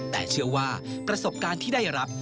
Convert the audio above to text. แต่เชื่อว่าประสบการณ์ที่ได้รับ